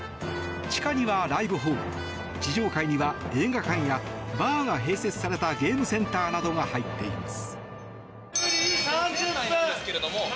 地下にはライブホール地上階には映画館やバーが併設されたゲームセンターなどが入っています。